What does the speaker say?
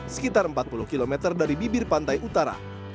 sekitar empat puluh km dari bibir pantai utara